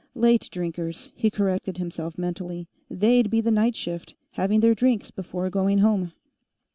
Late drinkers, he corrected himself mentally; they'd be the night shift, having their drinks before going home.